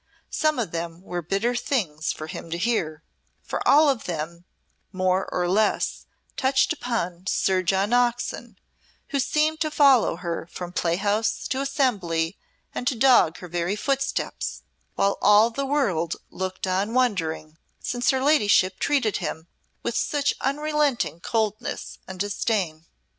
Some of them were bitter things for him to hear, for all of them more or less touched upon Sir John Oxon, who seemed to follow her from playhouse to assembly and to dog her very footsteps, while all the world looked on wondering, since her ladyship treated him with such unrelenting coldness and disdain.